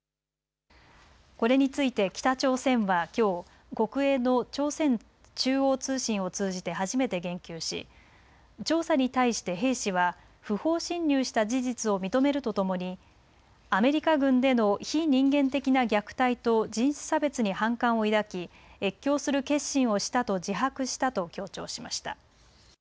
これについて北朝鮮はきょう、国営の朝鮮中央通信を通じて初めて言及し調査に対して兵士は不法侵入した事実を認めるとともにアメリカ軍での非人間的な虐待と人種差別に反感を抱き越境する決心をしたと自白したと強調しました。